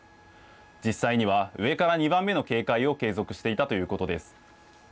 実際には上から２番目の警戒を継続していたということです。